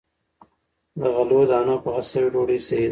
د غلو- دانو پخه شوې ډوډۍ صحي ده.